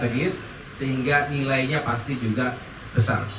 dan strategis sehingga nilainya pasti juga besar